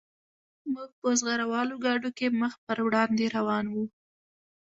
موږ په زغره والو ګاډو کې مخ په وړاندې روان وو